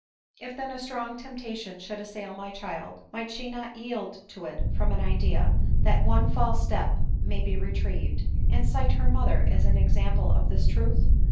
" If then a strong temptation should assail my child, might sbe not yield to it from an idea, that ' one false step may be retrieved,' and cite her mother as an example of this truth?